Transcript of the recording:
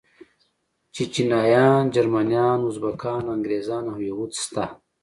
چيچنيايان، جرمنيان، ازبکان، انګريزان او يهود شته.